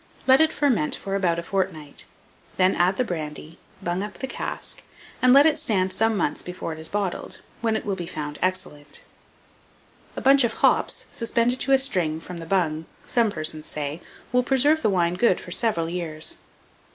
Let it ferment for about a fortnight; then add the brandy, bung up the cask, and let it stand some months before it is bottled, when it will be found excellent. A bunch of hops suspended to a string from the bung, some persons say, will preserve the wine good for several years.